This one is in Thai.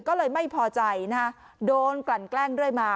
ก็เลยไม่พอใจนะฮะโดนกลั่นแกล้งเรื่อยมา